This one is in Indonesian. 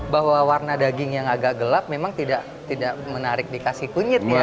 bahwa warna daging yang agak gelap memang tidak menarik dikasih kunyit ya